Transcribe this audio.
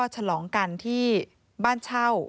ฉลองกันที่บ้านเช่า